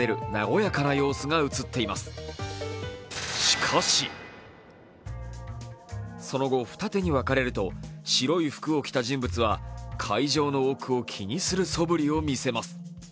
しかしその後、二手に分かれると白い服を着た人物は会場の奥を気にするそぶりを見せます。